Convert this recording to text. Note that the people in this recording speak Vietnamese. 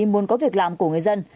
muốn có việc làm của người dân